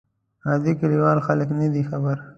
عادي کلیوال خلک نه دي خبر.